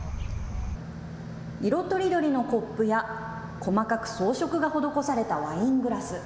色とりどりのコップや、細かく装飾が施されたワイングラス。